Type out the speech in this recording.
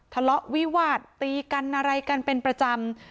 ทะเลาะวิวาดตีกันอะไรกันเป็นประจำ